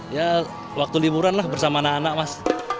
ya waktu liburan lah bersama anak anak mas